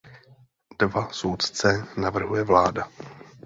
Dva soudce navrhuje vláda.